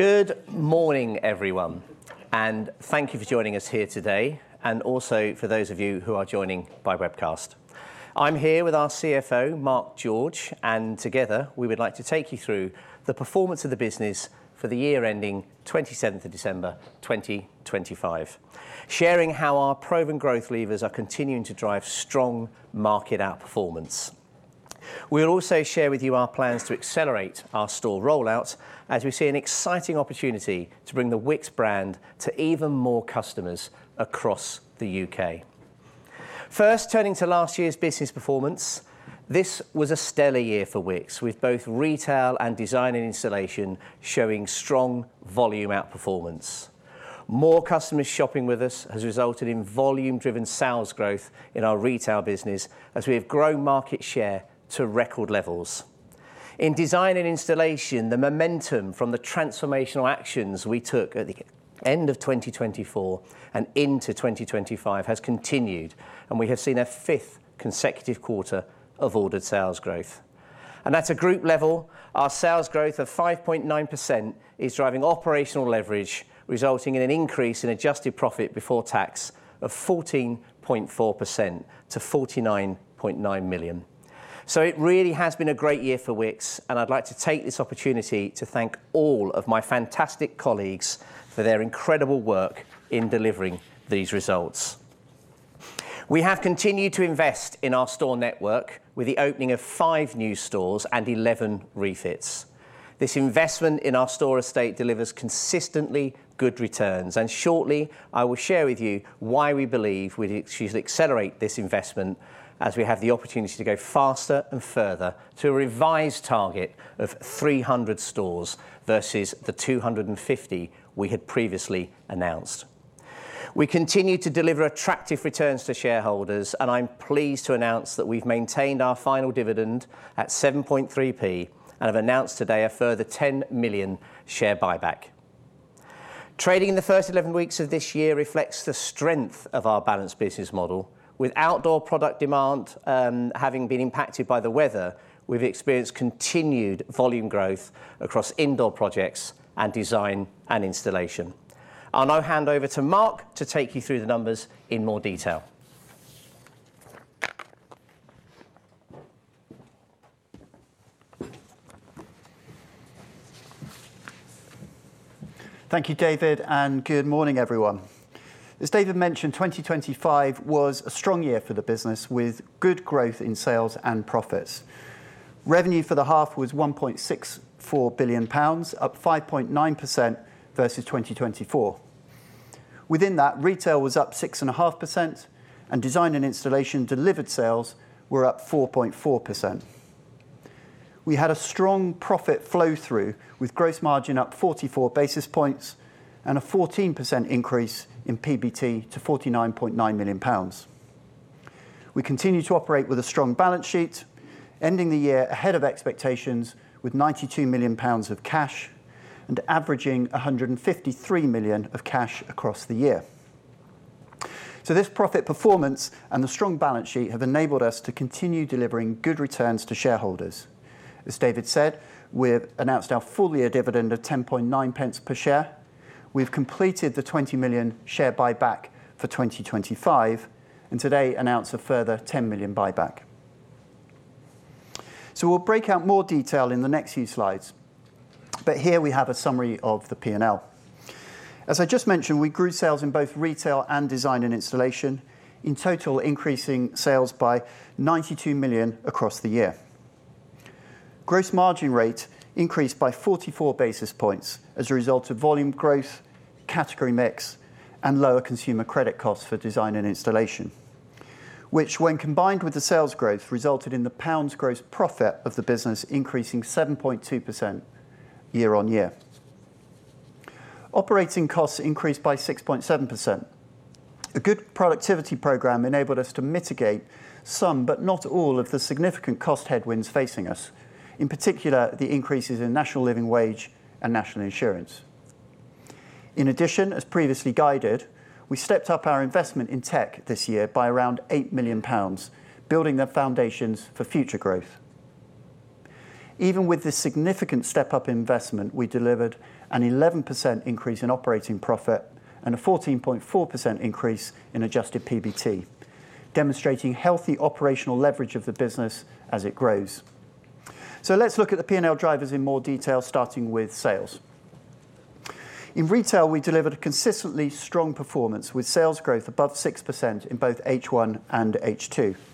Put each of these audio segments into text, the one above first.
Good morning, everyone, and thank you for joining us here today, and also for those of you who are joining by webcast. I'm here with our CFO, Mark George, and together we would like to take you through the performance of the business for the year ending 27 December 2025. Sharing how our proven growth levers are continuing to drive strong market outperformance. We'll also share with you our plans to accelerate our store rollout as we see an exciting opportunity to bring the Wickes brand to even more customers across the UK. First, turning to last year's business performance, this was a stellar year for Wickes, with both retail and design and installation showing strong volume outperformance. More customers shopping with us has resulted in volume-driven sales growth in our retail business as we have grown market share to record levels. In design and installation, the momentum from the transformational actions we took at the end of 2024 and into 2025 has continued, and we have seen a fifth consecutive quarter of ordered sales growth. At a group level, our sales growth of 5.9% is driving operational leverage, resulting in an increase in adjusted profit before tax of 14.4% to 49.9 million. It really has been a great year for Wickes, and I'd like to take this opportunity to thank all of my fantastic colleagues for their incredible work in delivering these results. We have continued to invest in our store network with the opening of five new stores and 11 refits. This investment in our store estate delivers consistently good returns, and shortly, I will share with you why we believe we should accelerate this investment as we have the opportunity to go faster and further to a revised target of 300 stores versus the 250, we had previously announced. We continue to deliver attractive returns to shareholders, and I'm pleased to announce that we've maintained our final dividend at 0.073 and have announced today a further 10 million share buyback. Trading in the first 11 weeks of this year reflects the strength of our balanced business model. With outdoor product demand having been impacted by the weather, we've experienced continued volume growth across indoor projects and design and installation. I'll now hand over to Mark to take you through the numbers in more detail. Thank you, David, and good morning, everyone. As David mentioned, 2025 was a strong year for the business, with good growth in sales and profits. Revenue for the half was 1.64 billion pounds, up 5.9% versus 2024. Within that, retail was up 6.5%, and design and installation delivered sales were up 4.4%. We had a strong profit flow through with gross margin up 44-basis points and a 14% increase in PBT to 49.9 million pounds. We continue to operate with a strong balance sheet, ending the year ahead of expectations with 92 million pounds of cash and averaging 153 million of cash across the year. This profit performance and the strong balance sheet have enabled us to continue delivering good returns to shareholders. As David said, we've announced our full-year dividend of 0.109 per share. We've completed the 20 million share buyback for 2025 and today announced a further 10 million buyback. We'll break out more detail in the next few slides, but here we have a summary of the P&L. As I just mentioned, we grew sales in both retail and design and installation, in total increasing sales by 92 million across the year. Gross margin rate increased by 44-basis points as a result of volume growth, category mix, and lower consumer credit costs for design and installation, which, when combined with the sales growth, resulted in the P&L's gross profit of the business increasing 7.2% year-on-year. Operating costs increased by 6.7%. A good productivity program enabled us to mitigate some, but not all, of the significant cost headwinds facing us, in particular, the increases in National Living Wage and National Insurance. In addition, as previously guided, we stepped up our investment in tech this year by around 8 million pounds, building the foundations for future growth. Even with this significant step-up investment, we delivered an 11% increase in operating profit and a 14.4% increase in adjusted PBT, demonstrating healthy operational leverage of the business as it grows. Let's look at the P&L drivers in more detail, starting with sales. In retail, we delivered a consistently strong performance with sales growth above 6% in both first half and second half.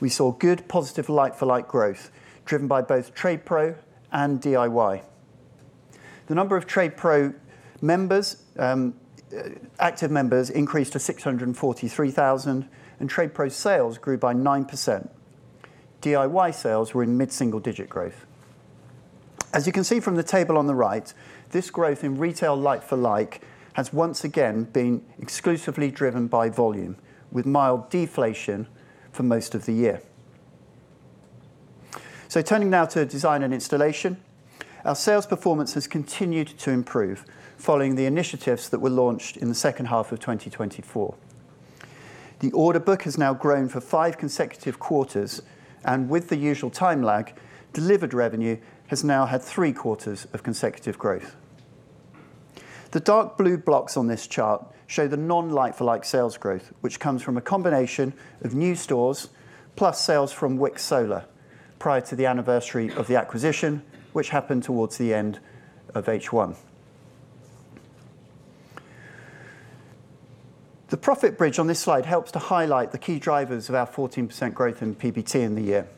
We saw good positive like-for-like growth driven by both TradePro and DIY. The number of TradePro members, active members increased to 643,000, and TradePro sales grew by 9%. DIY sales were in mid-single-digit growth. As you can see from the table on the right, this growth in retail like-for-like has once again been exclusively driven by volume with mild deflation for most of the year. Turning now to design and installation. Our sales performance has continued to improve following the initiatives that were launched in the second half of 2024. The order book has now grown for five consecutive quarters, and with the usual time lag, delivered revenue has now had three quarters of consecutive growth. The dark blue blocks on this chart show the non-like-for-like sales growth, which comes from a combination of new stores plus sales from Wickes Solar prior to the anniversary of the acquisition, which happened towards the end of first half. The profit bridge on this slide helps to highlight the key drivers of our 14% growth in PBT in the year.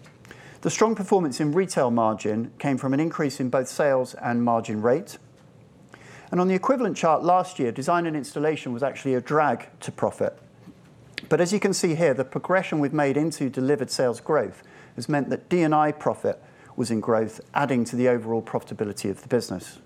The strong performance in retail margin came from an increase in both sales and margin rate. On the equivalent chart last year, design and installation was actually a drag to profit. As you can see here, the progression we've made into delivered sales growth has meant that D&I profit was in growth, adding to the overall profitability of the business.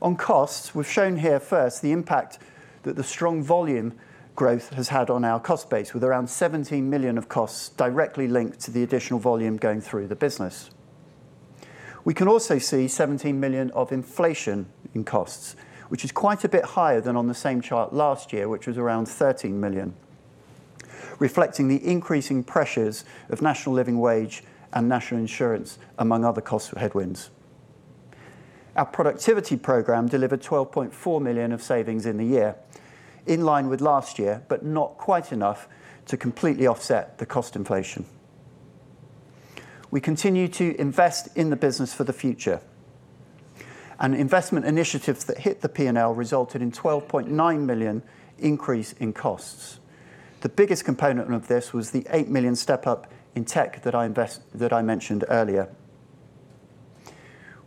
On costs, we've shown here first the impact that the strong volume growth has had on our cost base, with around 17 million of costs directly linked to the additional volume going through the business. We can also see 17 million of inflation in costs, which is quite a bit higher than on the same chart last year, which was around 13 million, reflecting the increasing pressures of national living wage and national insurance, among other cost headwinds. Our productivity program delivered 12.4 million of savings in the year, in line with last year, but not quite enough to completely offset the cost inflation. We continue to invest in the business for the future. Investment initiatives that hit the P&L resulted in 12.9 million increase in costs. The biggest component of this was the 8 million step-up in tech that I mentioned earlier.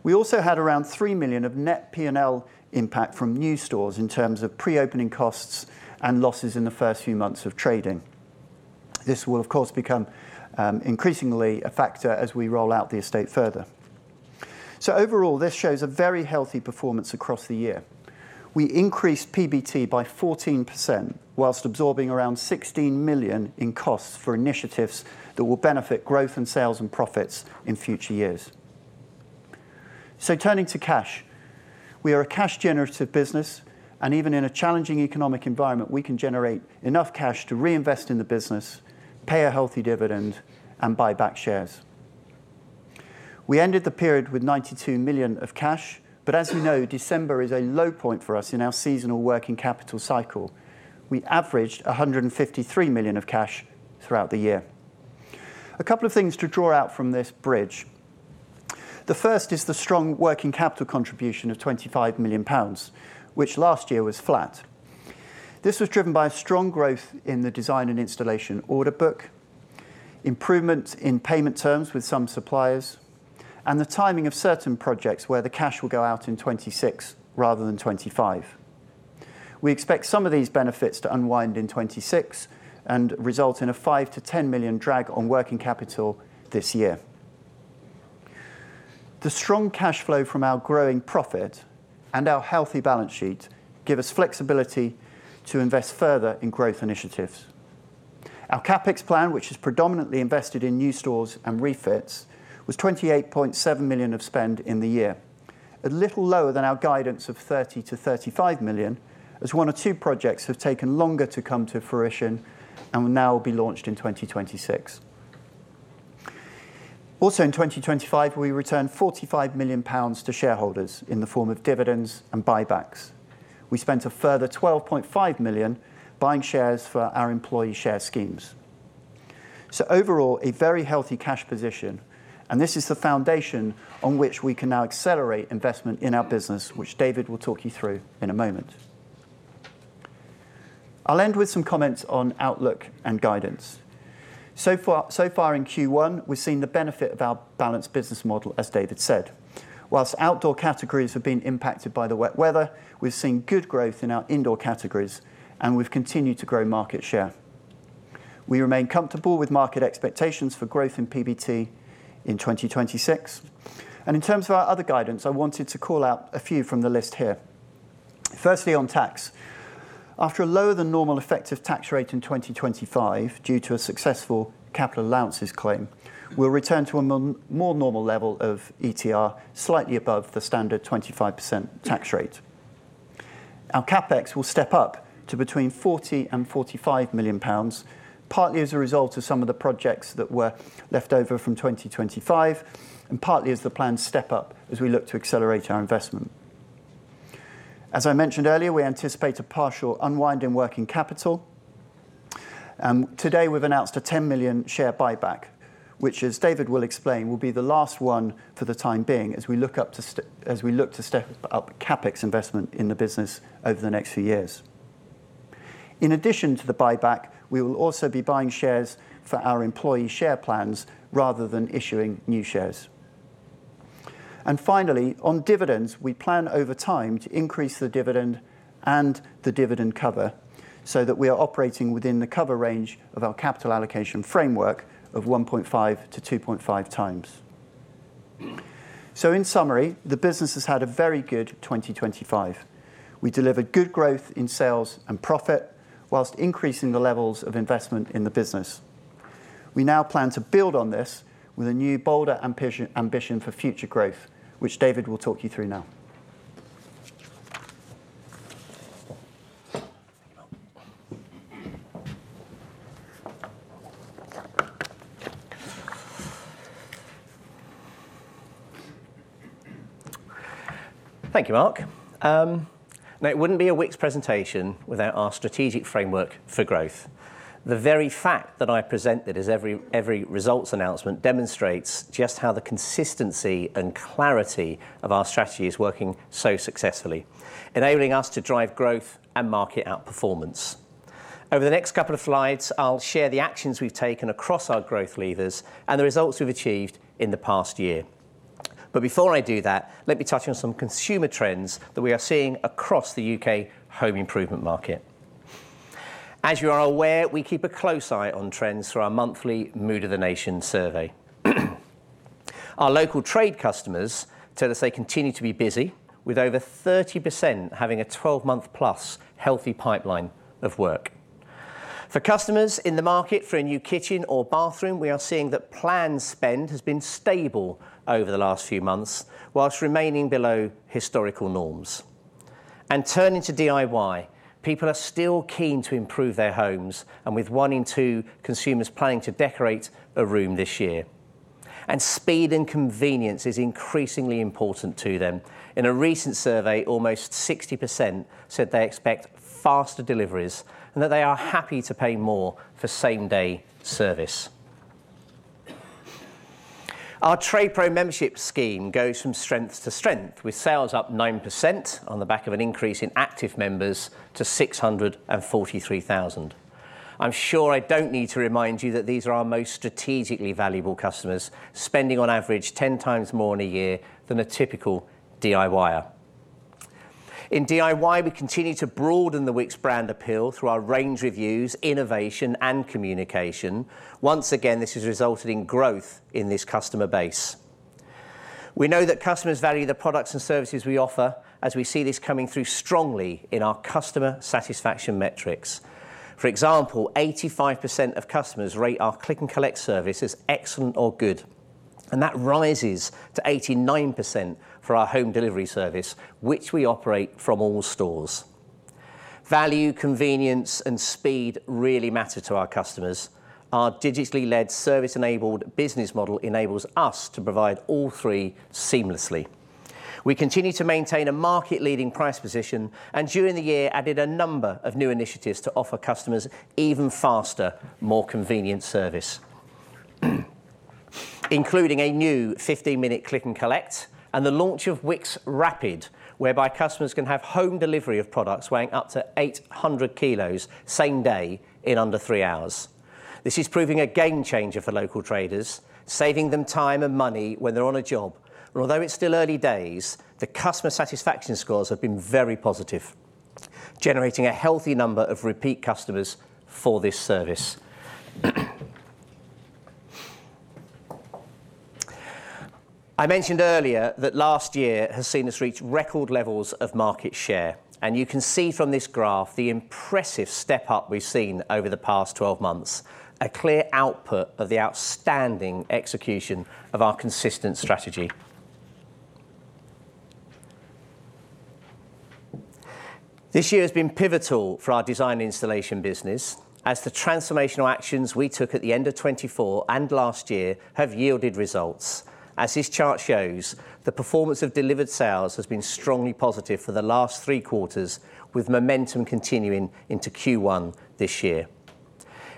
We also had around 3 million of net P&L impact from new stores in terms of pre-opening costs and losses in the first few months of trading. This will of course become increasingly a factor as we roll out the estate further. Overall, this shows a very healthy performance across the year. We increased PBT by 14% whilst absorbing around 16 million in costs for initiatives that will benefit growth in sales and profits in future years. Turning to cash. We are a cash generative business and even in a challenging economic environment, we can generate enough cash to reinvest in the business, pay a healthy dividend and buy back shares. We ended the period with 92 million of cash, but as you know, December is a low point for us in our seasonal working capital cycle. We averaged 153 million of cash throughout the year. A couple of things to draw out from this bridge. The first is the strong working capital contribution of 25 million pounds, which last year was flat. This was driven by a strong growth in the design and installation order book, improvement in payment terms with some suppliers, and the timing of certain projects where the cash will go out in 2026 rather than 2025. We expect some of these benefits to unwind in 2026 and result in a 5 to 10 million drag on working capital this year. The strong cash flow from our growing profit and our healthy balance sheet give us flexibility to invest further in growth initiatives. Our CapEx plan, which is predominantly invested in new stores and refits, was 28.7 million of spend in the year. A little lower than our guidance of 30 to 35 million, as one or two projects have taken longer to come to fruition and will now be launched in 2026. Also in 2025, we returned 45 million pounds to shareholders in the form of dividends and buybacks. We spent a further 12.5 million buying shares for our employee share schemes. Overall, a very healthy cash position, and this is the foundation on which we can now accelerate investment in our business, which David will talk you through in a moment. I'll end with some comments on outlook and guidance. So far in first quarter, we've seen the benefit of our balanced business model, as David said. While outdoor categories have been impacted by the wet weather, we've seen good growth in our indoor categories and we've continued to grow market share. We remain comfortable with market expectations for growth in PBT in 2026. In terms of our other guidance, I wanted to call out a few from the list here. Firstly, on tax. After a lower than normal effective tax rate in 2025 due to a successful capital allowances claim, we'll return to a more normal level of ETR, slightly above the standard 25% tax rate. Our CapEx will step up to between 40 million and 45 million pounds, partly as a result of some of the projects that were left over from 2025 and partly as the plan step up as we look to accelerate our investment. As I mentioned earlier, we anticipate a partial unwind in working capital. Today we've announced a 10 million share buyback, which as David will explain, will be the last one for the time being as we look to step up CapEx investment in the business over the next few years. In addition to the buyback, we will also be buying shares for our employee share plans rather than issuing new shares. Finally, on dividends, we plan over time to increase the dividend, and the dividend cover so that we are operating within the cover range of our capital allocation framework of 1.5x to 2.5x. In summary, the business has had a very good 2025. We delivered good growth in sales and profit while increasing the levels of investment in the business. We now plan to build on this with a new bolder ambition for future growth, which David will talk you through now. Thank you, Mark. Now it wouldn't be a Wickes presentation without our strategic framework for growth. The very fact that I present it as every results announcement demonstrates just how the consistency and clarity of our strategy is working so successfully, enabling us to drive growth and market outperformance. Over the next couple of slides, I'll share the actions we've taken across our growth levers and the results we've achieved in the past year. Before I do that, let me touch on some consumer trends that we are seeing across the UK home improvement market. As you are aware, we keep a close eye on trends through our monthly Mood of the Nation survey. Our local trade customers tell us they continue to be busy with over 30% having a 12-month-plus healthy pipeline of work. For customers in the market for a new kitchen or bathroom, we are seeing that planned spend has been stable over the last few months while remaining below historical norms. Turning to DIY, people are still keen to improve their homes, and with one in two consumers planning to decorate a room this year. Speed and convenience is increasingly important to them. In a recent survey, almost 60% said they expect faster deliveries and that they are happy to pay more for same-day service. Our Trade Pro membership scheme goes from strength to strength with sales up 9% on the back of an increase in active members to 643,000. I'm sure I don't need to remind you that these are our most strategically valuable customers, spending on average 10x more in a year than a typical DIYer. In DIY, we continue to broaden the Wickes brand appeal through our range reviews, innovation and communication. Once again, this has resulted in growth in this customer base. We know that customers value the products and services we offer as we see this coming through strongly in our customer satisfaction metrics. For example, 85% of customers rate our click and collect service as excellent or good, and that rises to 89% for our home delivery service which we operate from all stores. Value, convenience and speed really matter to our customers. Our digitally led service-enabled business model enables us to provide all three seamlessly. We continue to maintain a market-leading price position and during the year added a number of new initiatives to offer customers even faster, more convenient service, including a new 15-minute click and collect and the launch of Wickes Rapid, whereby customers can have home delivery of products weighing up to 800 kg same day in under three hours. This is proving a game changer for local traders, saving them time and money when they're on a job. Although it's still early days, the customer satisfaction scores have been very positive, generating a healthy number of repeat customers for this service. I mentioned earlier that last year has seen us reach record levels of market share, and you can see from this graph the impressive step up we've seen over the past 12 months, a clear output of the outstanding execution of our consistent strategy. This year has been pivotal for our design installation business as the transformational actions we took at the end of 2024 and last year have yielded results. As this chart shows, the performance of delivered sales has been strongly positive for the last three quarters with momentum continuing into first quarter this year.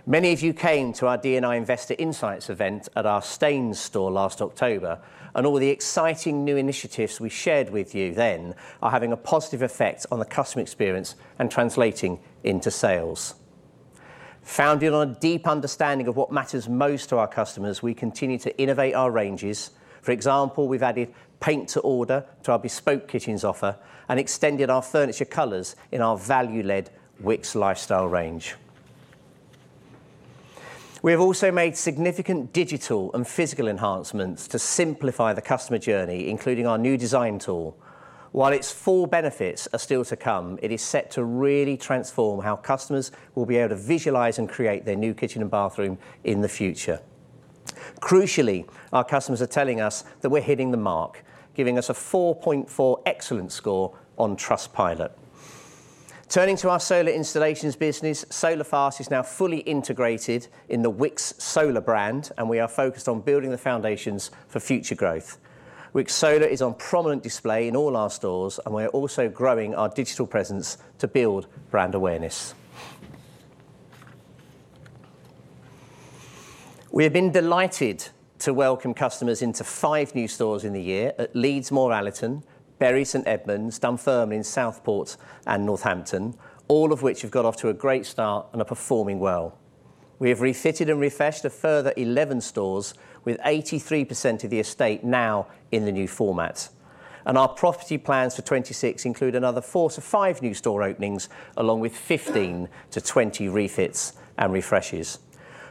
Many of you came to our D&I Investor Insights event at our Staines store last October, and all the exciting new initiatives we shared with you then are having a positive effect on the customer experience and translating into sales. Founded on a deep understanding of what matters most to our customers, we continue to innovate our ranges. For example, we've added paint to order to our bespoke kitchens offer and extended our furniture colors in our value-led Wickes Lifestyle range. We have also made significant digital and physical enhancements to simplify the customer journey, including our new design tool. While its full benefits are still to come, it is set to really transform how customers will be able to visualize and create their new kitchen and bathroom in the future. Crucially, our customers are telling us that we're hitting the mark, giving us a 4.4 excellent score on Trustpilot. Turning to our solar installations business, Solar Fast is now fully integrated in the Wickes Solar brand and we are focused on building the foundations for future growth. Wickes Solar is on prominent display in all our stores and we're also growing our digital presence to build brand awareness. We have been delighted to welcome customers into five new stores in the year at Leeds Moor Allerton, Bury St Edmunds, Dunfermline, Southport and Northampton, all of which have got off to a great start and are performing well. We have refitted and refreshed a further 11 stores with 83% of the estate now in the new format. Our property plans for 2026 include another four to five new store openings along with 15 to 20 refits and refreshes.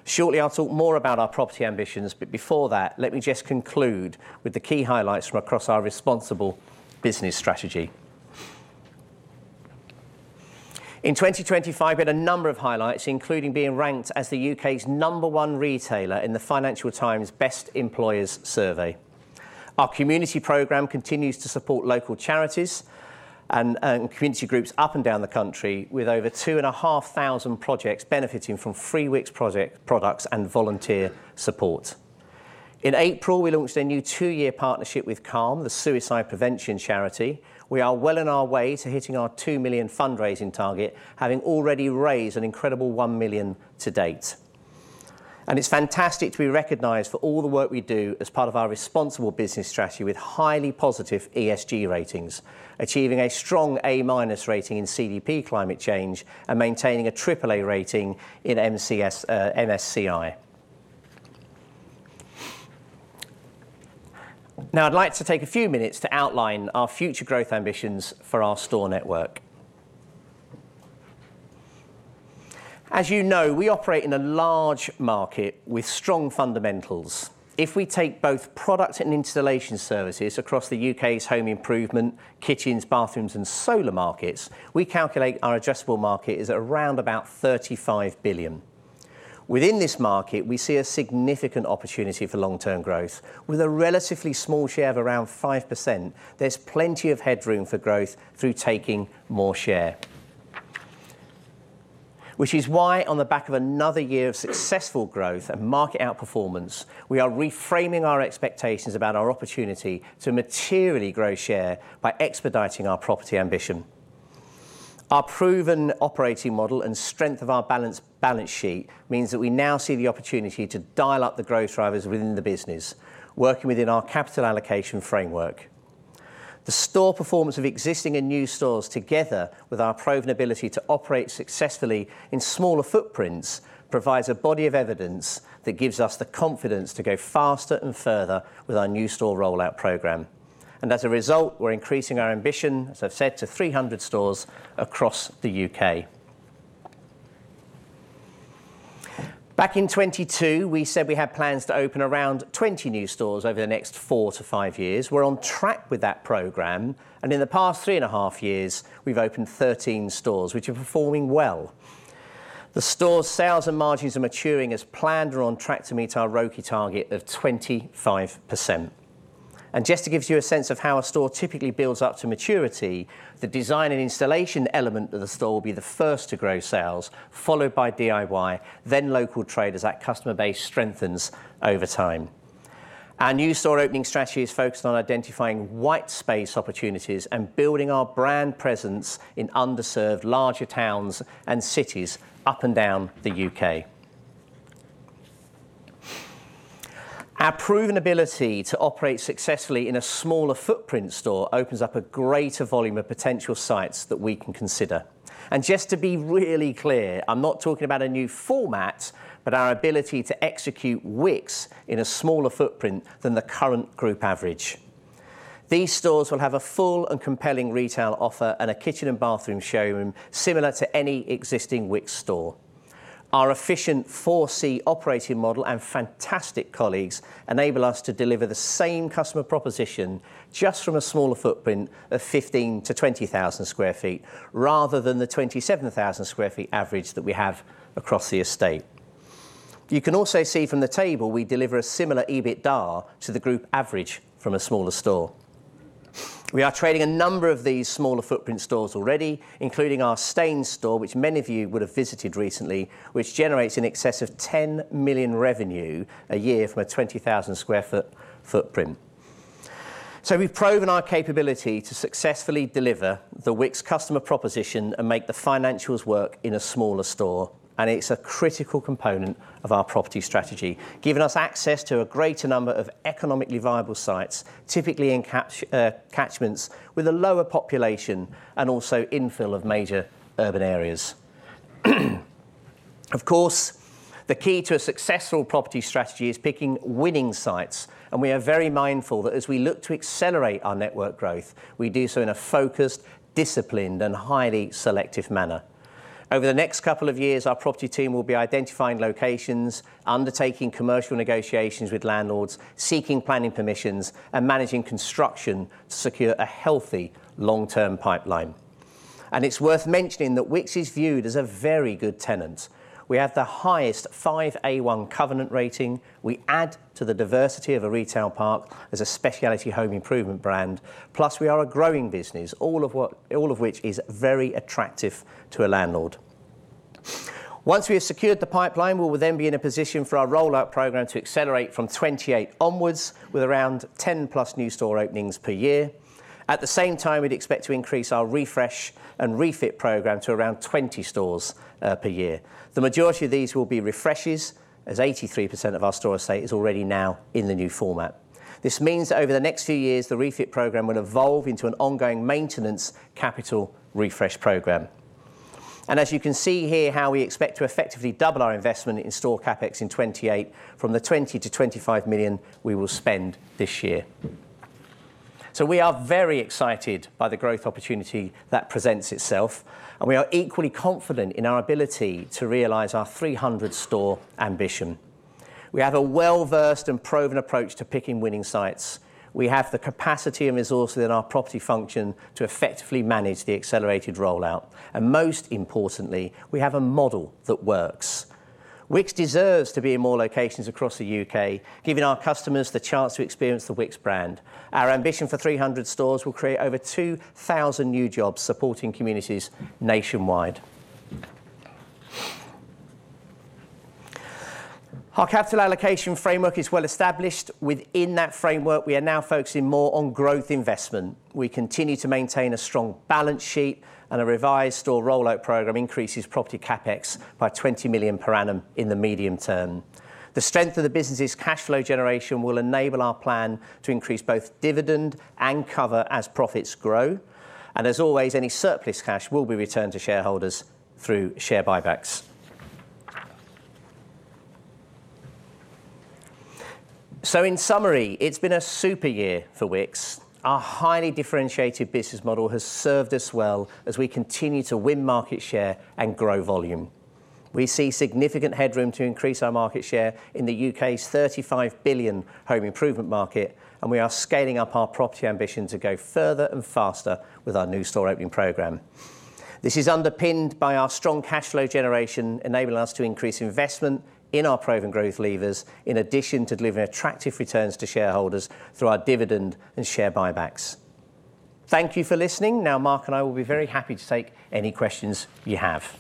Shortly I'll talk more about our property ambitions, but before that, let me just conclude with the key highlights from across our responsible business strategy. In 2025 we had a number of highlights, including being ranked as the UK's number one retailer in the Financial Times Best Employers Survey. Our community program continues to support local charities and community groups up and down the country with over 2,500 projects benefiting from products and volunteer support. In April, we launched a new two-year partnership with CALM, the suicide prevention charity. We are well on our way to hitting our 2 million fundraising target, having already raised an incredible 1 million to date. It's fantastic to be recognized for all the work we do as part of our responsible business strategy with highly positive ESG ratings, achieving a strong A- rating in CDP Climate Change and maintaining a AAA rating in MSCI. Now, I'd like to take a few minutes to outline our future growth ambitions for our store network. As you know, we operate in a large market with strong fundamentals. If we take both product and installation services across the UK's home improvement, kitchens, bathrooms, and solar markets, we calculate our addressable market is around about 35 billion. Within this market, we see a significant opportunity for long-term growth. With a relatively small share of around 5%, there's plenty of headroom for growth through taking more share. Which is why, on the back of another year of successful growth and market outperformance, we are reframing our expectations about our opportunity to materially grow share by expediting our property ambition. Our proven operating model and strength of our balance sheet means that we now see the opportunity to dial up the growth drivers within the business, working within our capital allocation framework. The store performance of existing and new stores, together with our proven ability to operate successfully in smaller footprints, provides a body of evidence that gives us the confidence to go faster and further with our new store rollout program. As a result, we're increasing our ambition, as I've said, to 300 stores across the UK. Back in 2022, we said we had plans to open around 20 new stores over the next four to five years. We're on track with that program. In the past three and a half years, we've opened 13 stores, which are performing well. The store sales and margins are maturing as planned. We're on track to meet our ROCE target of 25%. Just to give you a sense of how a store typically builds up to maturity, the design and installation element of the store will be the first to grow sales, followed by DIY, then local trade as that customer base strengthens over time. Our new store opening strategy is focused on identifying white space opportunities and building our brand presence in underserved larger towns and cities up and down the UK. Our proven ability to operate successfully in a smaller footprint store opens up a greater volume of potential sites that we can consider. Just to be really clear, I'm not talking about a new format, but our ability to execute Wickes in a smaller footprint than the current group average. These stores will have a full and compelling retail offer and a kitchen and bathroom showroom similar to any existing Wickes store. Our efficient 4C operating model and fantastic colleagues enable us to deliver the same customer proposition just from a smaller footprint of 15,000 to 20,000 sq ft, rather than the 27,000 sq ft average that we have across the estate. You can also see from the table we deliver a similar EBITDA to the group average from a smaller store. We are trading a number of these smaller footprint stores already, including our Staines store, which many of you would have visited recently, which generates in excess of 10 million revenue a year from a 20,000 sq ft footprint. We've proven our capability to successfully deliver the Wickes customer proposition and make the financials work in a smaller store. It's a critical component of our property strategy, giving us access to a greater number of economically viable sites, typically in catchments with a lower population and also infill of major urban areas. Of course, the key to a successful property strategy is picking winning sites, and we are very mindful that as we look to accelerate our network growth, we do so in a focused, disciplined, and highly selective manner. Over the next couple of years, our property team will be identifying locations, undertaking commercial negotiations with landlords, seeking planning permissions, and managing construction to secure a healthy long-term pipeline. It's worth mentioning that Wickes is viewed as a very good tenant. We have the highest five A1 covenant rating. We add to the diversity of a retail park as a specialty home improvement brand. We are a growing business, all of which is very attractive to a landlord. Once we have secured the pipeline, we will then be in a position for our rollout program to accelerate from 2028 onwards with around 10+ new store openings per year. At the same time, we'd expect to increase our refresh and refit program to around 20 stores per year. The majority of these will be refreshes, as 83% of our store estate is already now in the new format. This means that over the next few years, the refit program will evolve into an ongoing maintenance capital refresh program. You can see here how we expect to effectively double our investment in store CapEx in 2028 from the 20 to 25 million we will spend this year. We are very excited by the growth opportunity that presents itself, and we are equally confident in our ability to realize our 300-store ambition. We have a well-versed and proven approach to picking winning sites. We have the capacity and resources in our property function to effectively manage the accelerated rollout. Most importantly, we have a model that works. Wickes deserves to be in more locations across the UK, giving our customers the chance to experience the Wickes brand. Our ambition for 300 stores will create over 2,000 new jobs supporting communities nationwide. Our capital allocation framework is well established. Within that framework, we are now focusing more on growth investment. We continue to maintain a strong balance sheet, and a revised store rollout program increases property CapEx by 20 million per annum in the medium term. The strength of the business's cash flow generation will enable our plan to increase both dividend and cover as profits grow. As always, any surplus cash will be returned to shareholders through share buybacks. In summary, it's been a super year for Wickes. Our highly differentiated business model has served us well as we continue to win market share and grow volume. We see significant headroom to increase our market share in the UK's 35 billion home improvement market, and we are scaling up our property ambition to go further and faster with our new store opening program. This is underpinned by our strong cash flow generation, enabling us to increase investment in our proven growth levers, in addition to delivering attractive returns to shareholders through our dividend and share buybacks. Thank you for listening. Now, Mark and I will be very happy to take any questions you have.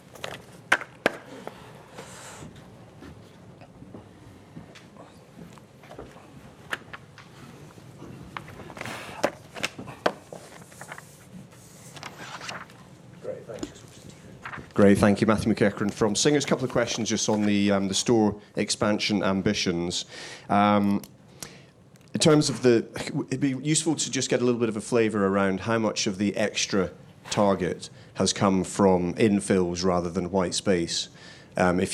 Great, thank you. Matthew McEachran from Singer Capital Markets. A couple of questions just on the store expansion ambitions. In terms of it'd be useful to just get a little bit of a flavor around how much of the extra target has come from infills rather than white space. I mean,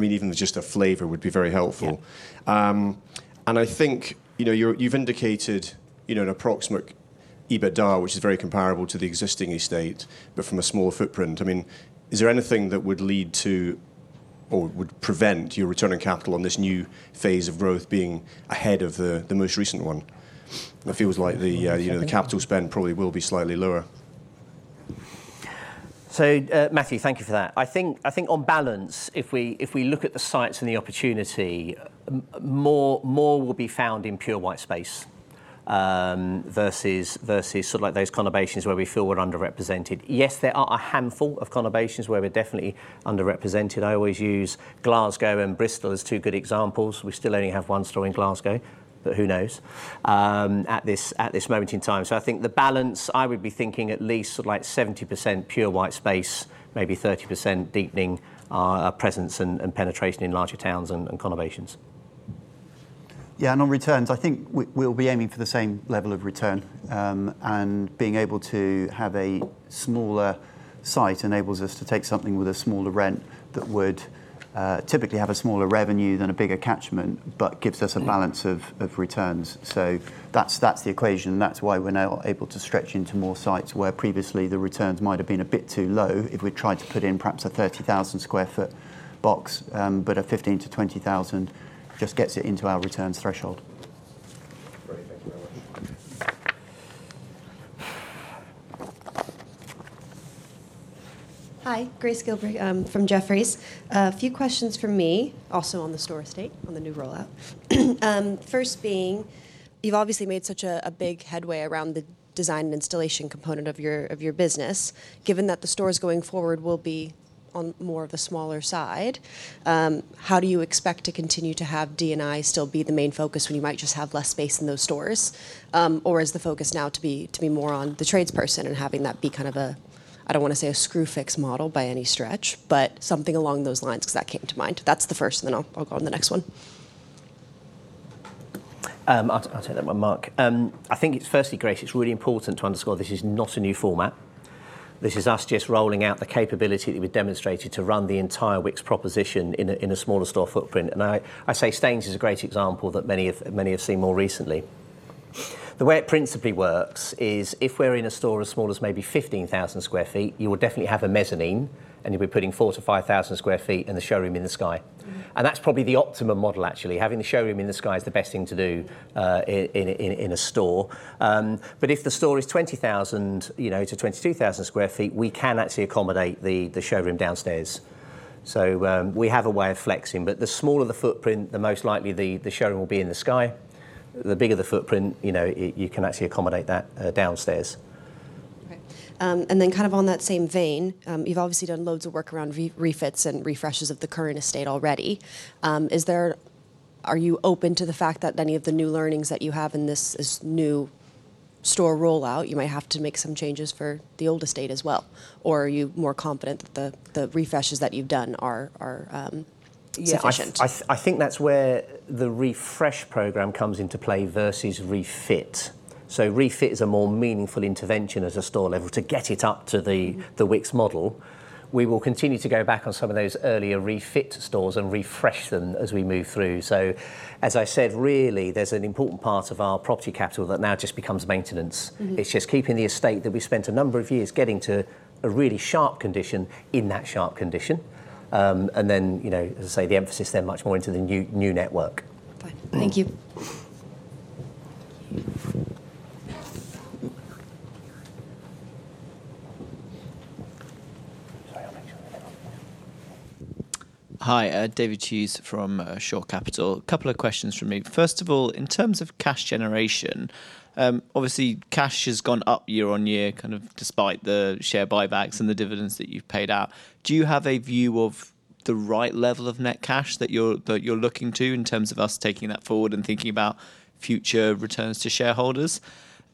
even just a flavor would be very helpful. Yeah. I think, you know, you've indicated, you know, an approximate EBITDA, which is very comparable to the existing estate, but from a smaller footprint. I mean, is there anything that would lead to or would prevent your return on capital on this new phase of growth being ahead of the most recent one? It feels like the, you know, the capital spend probably will be slightly lower. Matthew, thank you for that. I think on balance, if we look at the sites and the opportunity, more will be found in pure white space, versus sort of like those conurbations where we feel we're underrepresented. Yes, there are a handful of conurbations where we're definitely underrepresented. I always use Glasgow and Bristol as two good examples. We still only have one store in Glasgow, but who knows, at this moment in time. I think the balance, I would be thinking at least sort of like 70% pure white space, maybe 30% deepening our presence and penetration in larger towns and conurbations. Yeah, on returns, I think we'll be aiming for the same level of return. Being able to have a smaller site enables us to take something with a smaller rent that would typically have a smaller revenue than a bigger catchment but gives us a balance of returns. That's the equation. That's why we're now able to stretch into more sites where previously the returns might have been a bit too low if we'd tried to put in perhaps a 30,000 sq ft box, but a 15,000 to 20,000 sq ft just gets it into our return's threshold. Great. Thank you very much. Okay. Hi, Grace Gilbey from Jefferies. A few questions from me also on the store estate, on the new rollout. First being, you've obviously made such a big headway around the design and installation component of your business. Given that the stores going forward will be on more of the smaller side, how do you expect to continue to have D&I still be the main focus when you might just have less space in those stores? Or is the focus now to be more on the trades person and having that be kind of a, I don't want to say a Screwfix model by any stretch, but something along those lines, cause that came to mind. That's the first, and then I'll go on the next one. I'll take that one, Mark. I think it's firstly, Grace, it's really important to underscore this is not a new format. This is us just rolling out the capability that we've demonstrated to run the entire Wickes proposition in a smaller store footprint. I say Staines is a great example that many have seen more recently. The way it principally works is if we're in a store as small as maybe 15,000 sq ft, you will definitely have a mezzanine, and you'll be putting 4,000 to 5,000 sq ft in the showroom in the sky. Mm-hmm. That's probably the optimum model actually. Having the showroom in the sky is the best thing to do in a store. If the store is 20,000 to 22,000 sq ft, we can actually accommodate the showroom downstairs. We have a way of flexing. The smaller the footprint, the more likely the showroom will be in the sky. The bigger the footprint, you know, you can actually accommodate that downstairs. Kind of on that same vein, you've obviously done loads of work around refits and refreshes of the current estate already. Are you open to the fact that any of the new learnings that you have in this new store rollout, you might have to make some changes for the old estate as well? Or are you more confident that the refreshes that you've done are sufficient? Yeah, I think that's where the refresh program comes into play versus refit. Refit is a more meaningful intervention at a store level to get it up to the Wickes model. We will continue to go back on some of those earlier refit stores and refresh them as we move through. As I said, really, there's an important part of our property capital that now just becomes maintenance. It's just keeping the estate that we spent a number of years getting to a really sharp condition in that sharp condition. You know, as I say, the emphasis there much more into the new network. Fine. Thank you. Hi. David Hughes from Shore Capital. A couple of questions from me. First of all, in terms of cash generation, obviously cash has gone up year-on-year, kind of despite the share buybacks and the dividends that you've paid out. Do you have a view of the right level of net cash that you're looking to in terms of us taking that forward and thinking about future returns to shareholders?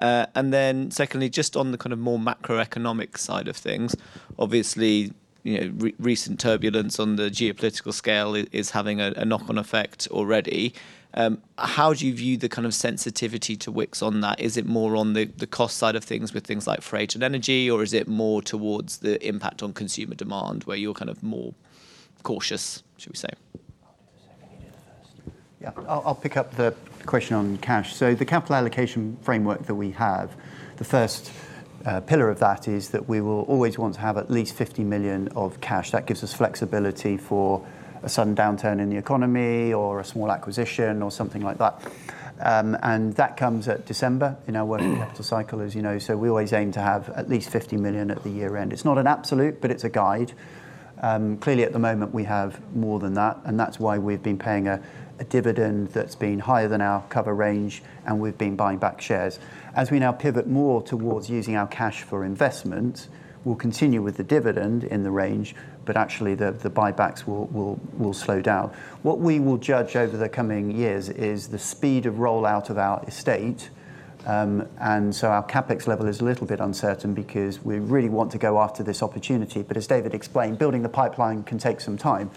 Then secondly, just on the kind of more macroeconomic side of things, obviously, you know, recent turbulence on the geopolitical scale is having a knock-on effect already. How do you view the kind of sensitivity to Wickes on that? Is it more on the cost side of things with things like freight and energy, or is it more towards the impact on consumer demand where you're kind of more cautious, shall we say? Yeah. I'll pick up the question on cash. The capital allocation framework that we have, the first pillar of that is that we will always want to have at least 50 million of cash. That gives us flexibility for a sudden downturn in the economy or a small acquisition or something like that. That comes at December in our working capital cycle, as you know, so we always aim to have at least 50 million at the year-end. It's not an absolute, but it's a guide. Clearly at the moment we have more than that. That's why we've been paying a dividend that's been higher than our cover range, and we've been buying back shares. As we now pivot more towards using our cash for investment, we'll continue with the dividend in the range, but actually the buybacks will slow down. What we will judge over the coming years is the speed of rollout of our estate, and so our CapEx level is a little bit uncertain because we really want to go after this opportunity. As David explained, building the pipeline can take some time.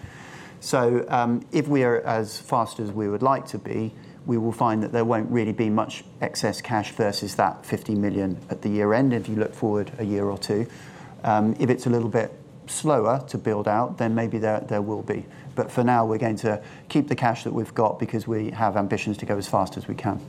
If we're as fast as we would like to be, we will find that there won't really be much excess cash versus that 50 million at the year-end if you look forward a year or two. If it's a little bit slower to build out, maybe there will be. For now we're going to keep the cash that we've got because we have ambitions to go as fast as we can.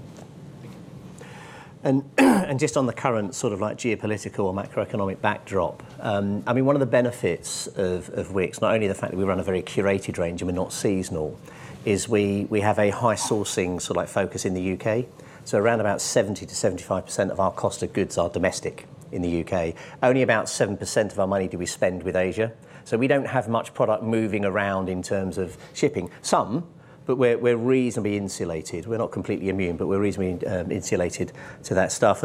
Thank you. Just on the current sort of like geopolitical or macroeconomic backdrop, I mean, one of the benefits of Wickes, not only the fact that we run a very curated range and we're not seasonal, is we have a high sourcing sort of like focus in the UK. So around about 70% to 75% of our cost of goods are domestic in the UK. Only about 7% of our money do we spend with Asia. So, we don't have much product moving around in terms of shipping. Some, but we're reasonably insulated. We're not completely immune, but we're reasonably insulated to that stuff.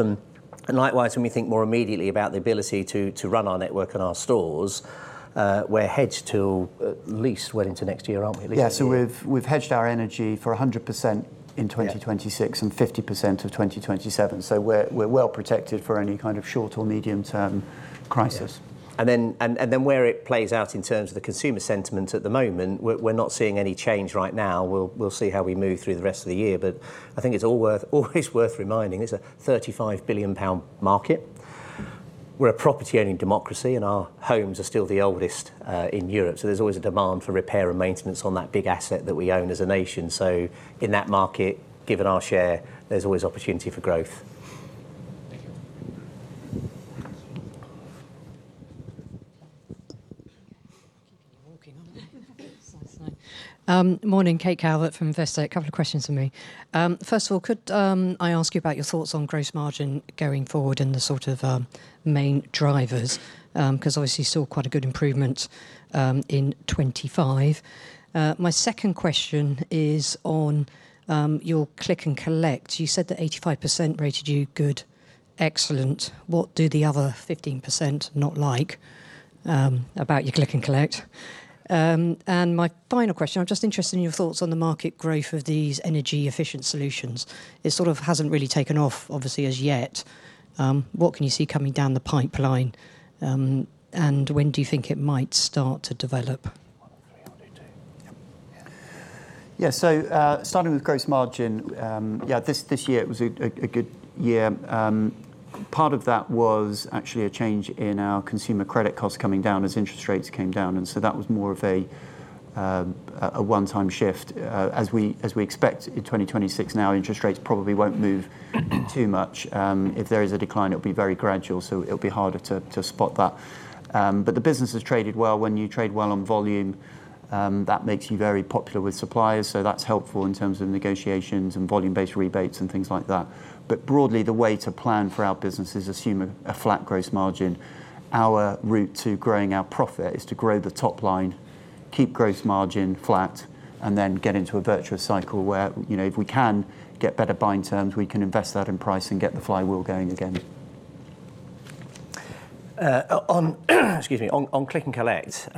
Likewise, when we think more immediately about the ability to run our network and our stores, we're hedged till at least well into next year, aren't we, at least? Yeah. We've hedged our energy for 100% in 2026, yeah, and 50% till 2027. We're well protected for any kind of short or medium-term crisis. Yeah. Where it plays out in terms of the consumer sentiment at the moment, we're not seeing any change right now. We'll see how we move through the rest of the year. I think it's always worth reminding, it's a 35 billion pound market. We're a property-owning democracy, and our homes are still the oldest in Europe, so there's always a demand for repair and maintenance on that big asset that we own as a nation. In that market, given our share, there's always opportunity for growth. Thank you. Keeping you walking, aren't I? It's nice. Morning. Kate Calvert from Investec. A couple of questions from me. First of all, could I ask you about your thoughts on gross margin going forward and the sort of main drivers? Cause obviously you saw quite a good improvement in 2025. My second question is on your click and collect. You said that 85% rated you good, excellent. What do the other 15% not like about your click and collect? My final question, I'm just interested in your thoughts on the market growth of these energy efficient solutions. It sort of hasn't really taken off obviously as yet. What can you see coming down the pipeline, and when do you think it might start to develop? One, two, three. I'll do two. Starting with gross margin, this year it was a good year. Part of that was actually a change in our consumer credit costs coming down as interest rates came down. That was more of a one-time shift. As we expect in 2026 now, interest rates probably won't move too much. If there is a decline, it'll be very gradual, so it'll be harder to spot that. The business has traded well. When you trade well on volume, that makes you very popular with suppliers, so that's helpful in terms of negotiations and volume-based rebates and things like that. Broadly, the way to plan for our business is assume a flat gross margin. Our route to growing our profit is to grow the top line, keep gross margin flat, and then get into a virtuous cycle where, you know, if we can get better buying terms, we can invest that in price and get the flywheel going again. On click and collect,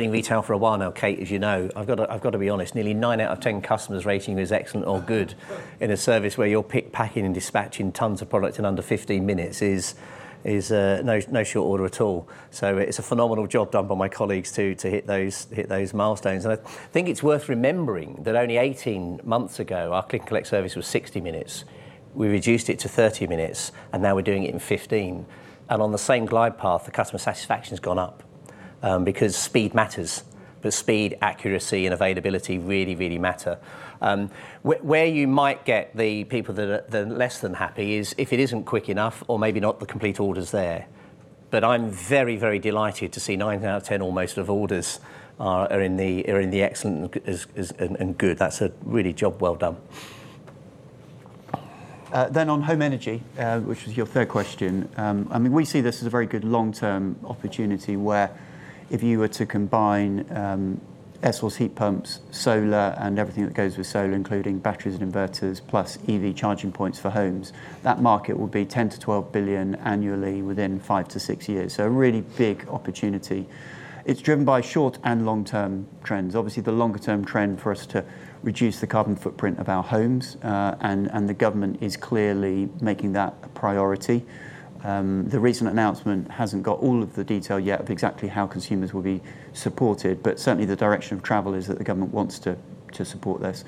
been in retail for a while now, Kate, as you know. I've got to be honest, nearly nine out of 10 customers rating is excellent or good in a service where you're pick, packing and dispatching tons of products in under 15 minutes is no short order at all. It's a phenomenal job done by my colleagues to hit those milestones. I think it's worth remembering that only 18 months ago, our click and collect service was 60 minutes. We reduced it to 30 minutes, and now we're doing it in 15 minutes. On the same glide path, the customer satisfaction's gone up, because speed matters. The speed, accuracy, and availability really, really matter. Where you might get the people that are less than happy is if it isn't quick enough or maybe not the complete orders there. I'm very, very delighted to see nine out of 10 almost of orders are in the excellent and good. That's a really job well done. On home energy, which was your third question. I mean, we see this as a very good long-term opportunity where if you were to combine air source heat pumps, solar, and everything that goes with solar, including batteries and inverters, plus EV charging points for homes, that market will be 10 to 12 billion annually within five to six years. A really big opportunity. It's driven by short and long-term trends. Obviously, the longer-term trend for us to reduce the carbon footprint of our homes, and the government is clearly making that a priority. The recent announcement hasn't got all of the detail yet of exactly how consumers will be supported, but certainly the direction of travel is that the government wants to support this.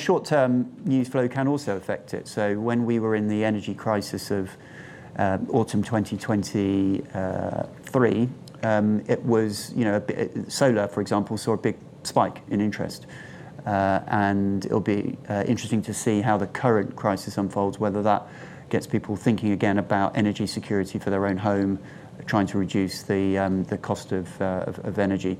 Short-term news flow can also affect it. When we were in the energy crisis of autumn 2023, it was, you know, a bit solar, for example, saw a big spike in interest. It'll be interesting to see how the current crisis unfolds, whether that gets people thinking again about energy security for their own home, trying to reduce the cost of energy.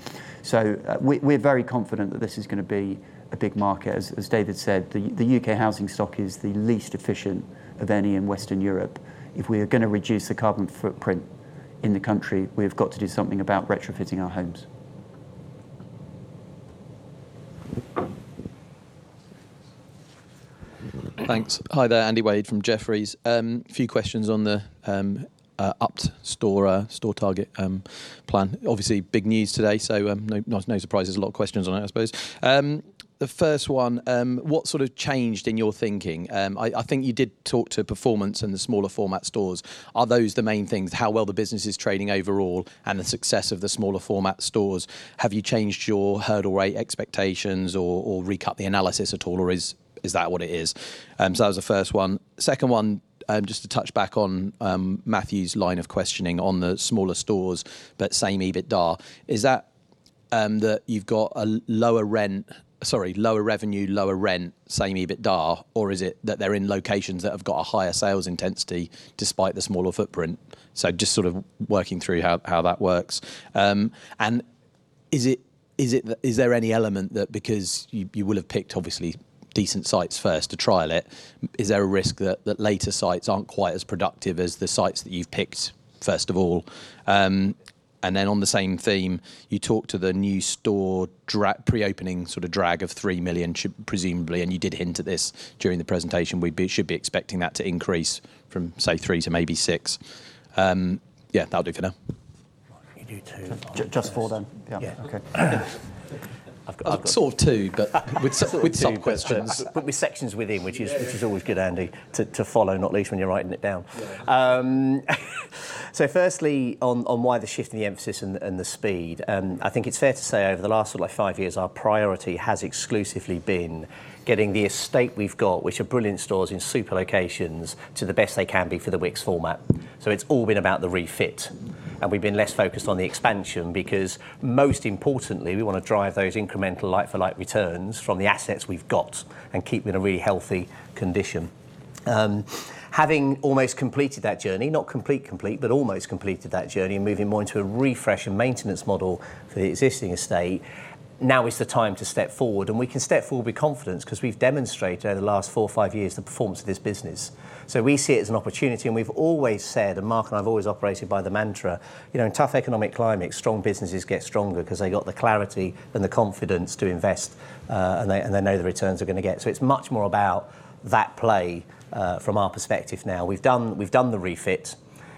We're very confident that this is gonna be a big market. As David said, the UK housing stock is the least efficient of any in Western Europe. If we are gonna reduce the carbon footprint in the country, we've got to do something about retrofitting our homes. Thanks. Hi there, Andy Wade from Jefferies. A few questions on the updated store target plan. Obviously, big news today, no surprises, a lot of questions on it, I suppose. The first one, what sort of changed in your thinking? I think you did talk to performance in the smaller format stores. Are those the main things, how well the business is trading overall and the success of the smaller format stores? Have you changed your hurdle rate expectations or recut the analysis at all, or is that what it is? That was the first one. Second one, just to touch back on Matthew's line of questioning on the smaller stores but same EBITDA. Is that you've got lower revenue, lower rent, same EBITDA, or is it that they're in locations that have got a higher sales intensity despite the smaller footprint? Just sort of working through how that works. Is there any element that because you will have picked obviously decent sites first to trial it, is there a risk that later sites aren't quite as productive as the sites that you've picked, first of all? On the same theme, you talked to the new store pre-opening sort of drag of 3 million, presumably, and you did hint at this during the presentation. Should be expecting that to increase from, say, 3 million to maybe 6 million. Yeah, that'll do for now. You can do two. Just four then? Yeah. Yeah. Okay. I've sort of two, but with... Sort of two questions. with sub questions. With sections within, which is always good, Andy, to follow, not least when you're writing it down. Yeah. Firstly, on why the shift in the emphasis and the speed. I think it's fair to say over the last sort of like five years, our priority has exclusively been getting the estate we've got, which are brilliant stores in super locations, to the best they can be for the Wickes format. It's all been about the refit, and we've been less focused on the expansion because most importantly, we want to drive those incremental like for like returns from the assets we've got and keep them in a really healthy condition. Having almost completed that journey, not complete, but almost completed that journey and moving more into a refresh and maintenance model for the existing estate, now is the time to step forward, and we can step forward with confidence cause we've demonstrated over the last four or five years the performance of this business. We see it as an opportunity, and we've always said, and Mark and I have always operated by the mantra, you know, in tough economic climates, strong businesses get stronger cause they got the clarity and the confidence to invest, and they know the returns they're gonna get. It's much more about that play, from our perspective now. We've done the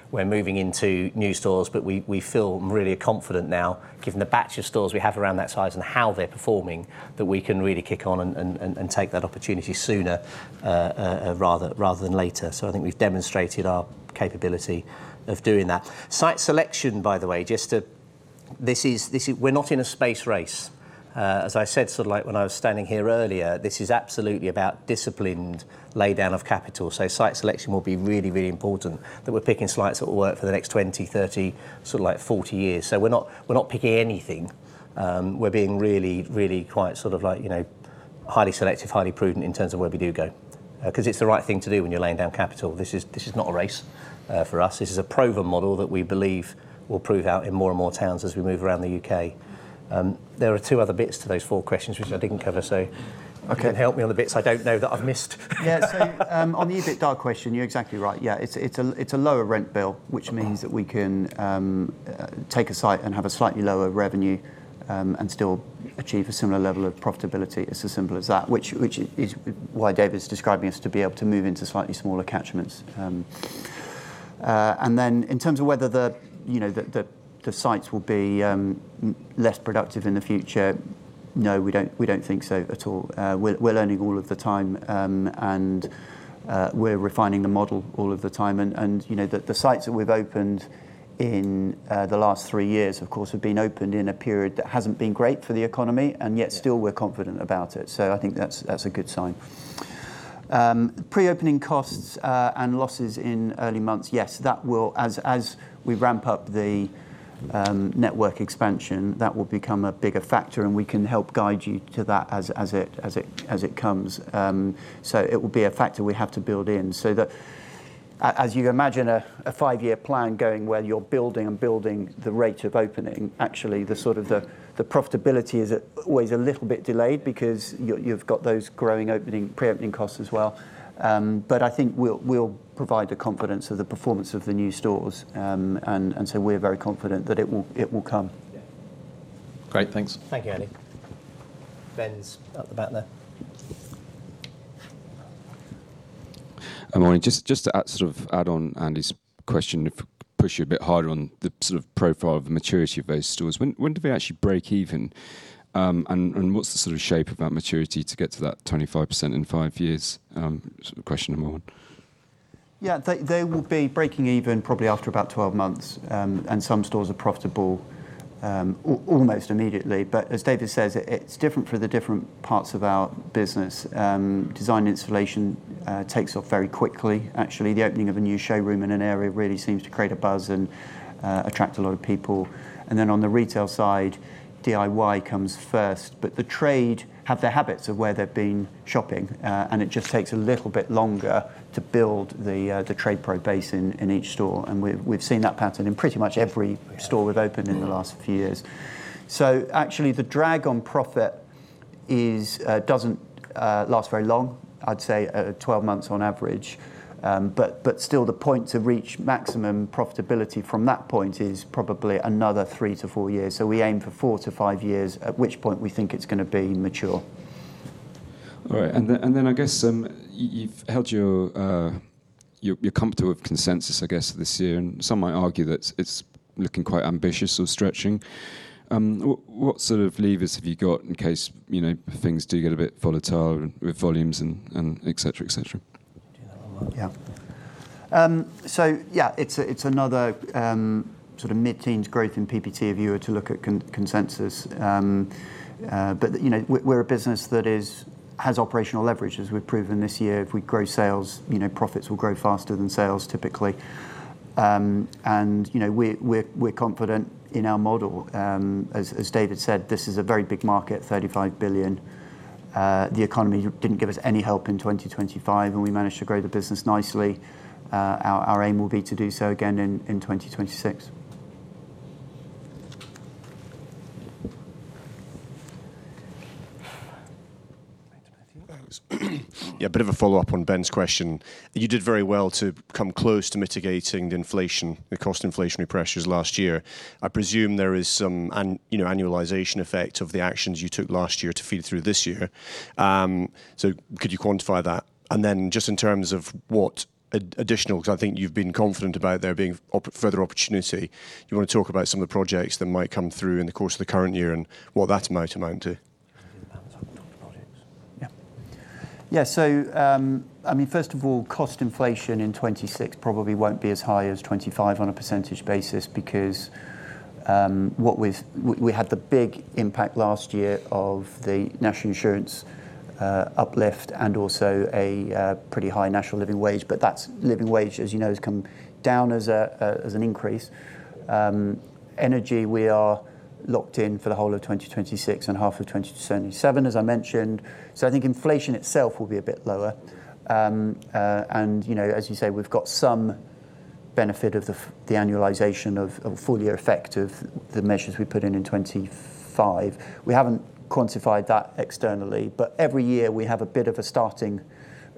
refit. We're moving into new stores, but we feel really confident now given the batch of stores we have around that size and how they're performing, that we can really kick on and take that opportunity sooner, rather than later. I think we've demonstrated our capability of doing that. Site selection, by the way. We're not in a space race. As I said sort of like when I was standing here earlier, this is absolutely about disciplined laydown of capital. Site selection will be really important, that we're picking sites that will work for the next 20, 30, sort of like 40 years. We're not picking anything. We're being really quite sort of like, you know, highly selective, highly prudent in terms of where we do go. Cause it's the right thing to do when you're laying down capital. This is not a race for us. This is a proven model that we believe will prove out in more and more towns as we move around the UK. There are two other bits to those four questions, which I didn't cover, so. Okay... Help me on the bits I don't know that I've missed. Yeah. On the EBITDA question, you're exactly right. Yeah. It's a lower rent bill, which means that we can take a site and have a slightly lower revenue and still achieve a similar level of profitability. It's as simple as that, which is why David is describing us to be able to move into slightly smaller catchments. In terms of whether, you know, the sites will be less productive in the future, no, we don't think so at all. We're learning all of the time, and we're refining the model all of the time. You know, the sites that we've opened in the last three years, of course, have been opened in a period that hasn't been great for the economy, and yet still we're confident about it. I think that's a good sign. Pre-opening costs and losses in early months, yes, that will. As we ramp up the network expansion, that will become a bigger factor, and we can help guide you to that as it comes. It will be a factor we have to build in so that as you can imagine, a five-year plan going where you're building and building the rate of opening, actually the sort of the profitability is always a little bit delayed because you've got those growing opening, pre-opening costs as well. I think we'll provide the confidence of the performance of the new stores. We're very confident that it will come. Yeah. Great. Thanks. Thank you, Andy. Ben's at the back there. Morning. Just to sort of add on Andy's question, if I could push you a bit harder on the sort of profile of the maturity of those stores. When do they actually break even? What's the sort of shape of that maturity to get to that 25% in five years, sort of question I'm on? Yeah. They will be breaking even probably after about 12 months. Some stores are profitable almost immediately. As David says, it's different for the different parts of our business. Design and installation takes off very quickly. Actually, the opening of a new showroom in an area really seems to create a buzz and attract a lot of people. On the retail side, DIY comes first, but the trade have their habits of where they've been shopping. It just takes a little bit longer to build the TradePro base in each store. We've seen that pattern in pretty much every store we've opened in the last few years. Actually, the drag on profit doesn't last very long. I'd say 12 months on average. Still the point to reach maximum profitability from that point is probably another three to four years. We aim for four to five years, at which point we think it's gonna be mature. All right. I guess you've held your you're comfortable with consensus, I guess, this year, and some might argue that it's looking quite ambitious or stretching. What sort of levers have you got in case, you know, things do get a bit volatile with volumes and et cetera? Do you have a mic? It's another sort of mid-teens% growth in PBT if you were to look at consensus. You know, we're a business that has operational leverage, as we've proven this year. If we grow sales, you know, profits will grow faster than sales typically. You know, we're confident in our model. As David said, this is a very big market, 35 billion. The economy didn't give us any help in 2025, and we managed to grow the business nicely. Our aim will be to do so again in 2026. Matthew. Yeah. A bit of a follow-up on Ben's question. You did very well to come close to mitigating the inflation, the cost inflationary pressures last year. I presume there is some you know, annualization effect of the actions you took last year to feed through this year. Could you quantify that? Then just in terms of what additional, cause I think you've been confident about there being further opportunity. Do you want to talk about some of the projects that might come through in the course of the current year and what that might amount to? Do you want to talk about projects? Yeah. I mean, first of all, cost inflation in 2026 probably won't be as high as 2025 on a percentage basis because we had the big impact last year of the National Insurance uplift and also a pretty high National Living Wage, but that National Living Wage, as you know, has come down as an increase. Energy, we are locked in for the whole of 2026 and half of 2027, as I mentioned. I think inflation itself will be a bit lower. You know, as you say, we've got some benefit of the annualization of the full-year effect of the measures we put in in 2025. We haven't quantified that externally, but every year we have a bit of a starting,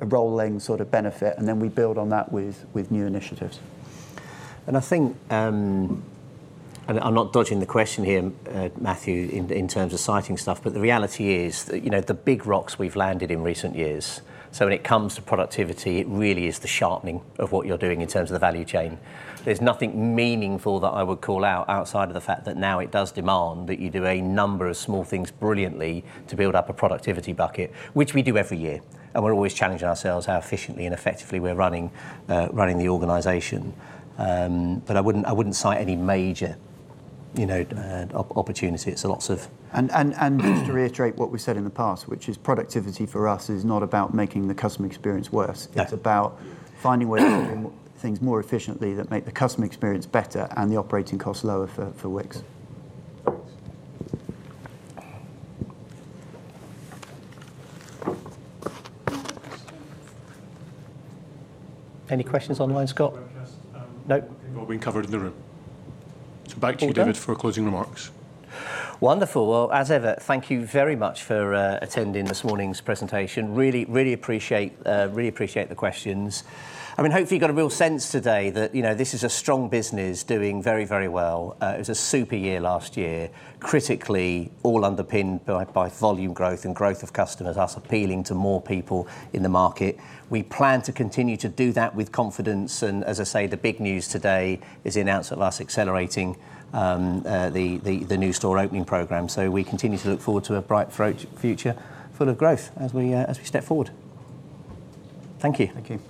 a rolling sort of benefit, and then we build on that with new initiatives. I think, I'm not dodging the question here, Matthew, in terms of citing stuff, but the reality is that, you know, the big rocks we've landed in recent years. When it comes to productivity, it really is the sharpening of what you're doing in terms of the value chain. There's nothing meaningful that I would call out outside of the fact that now it does demand that you do a number of small things brilliantly to build up a productivity bucket, which we do every year, and we're always challenging ourselves how efficiently and effectively we're running the organization. But I wouldn't cite any major, you know, opportunity. Just to reiterate what we said in the past, which is productivity for us is not about making the customer experience worse. No. It's about finding ways of doing things more efficiently that make the customer experience better and the operating costs lower for Wickes. Any questions online, Scott? Webcast. No. They've all been covered in the room. All done? Back to you, David, for closing remarks. Wonderful. Well, as ever, thank you very much for attending this morning's presentation. Really appreciate the questions. I mean, hopefully you got a real sense today that, you know, this is a strong business doing very, very well. It was a super year last year, critically all underpinned by volume growth and growth of customers, us appealing to more people in the market. We plan to continue to do that with confidence. As I say, the big news today is the announcement of us accelerating the new store opening program. We continue to look forward to a bright future full of growth as we step forward. Thank you. Thank you.